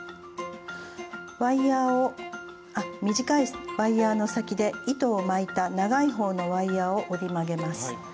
ワイヤーを短いワイヤーの先で糸を巻いた長いほうのワイヤーを折り曲げます。